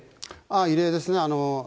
異例ですね。